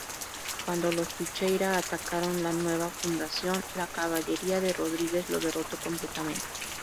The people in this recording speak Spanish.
Cuando los Pincheira atacaron la nueva fundación, la caballería de Rodríguez lo derrotó completamente.